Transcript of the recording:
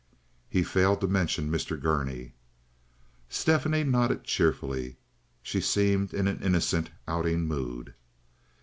He failed to mention Mr. Gurney. Stephanie nodded cheerfully. She seemed in an innocent outing mood.